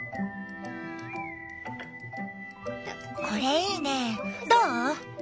これいいねどう？